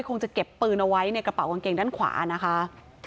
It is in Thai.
คงจะเก็บปืนเอาไว้ในกระเป๋ากางเกงด้านขวานะคะ